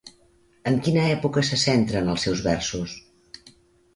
En quina època se centren els seus versos?